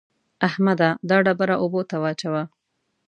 احمده! دا ډبره اوبو ته واچوه.